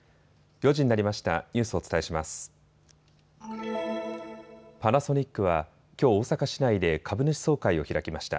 ４時になりました。